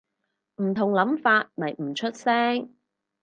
唔同諗法咪唔出聲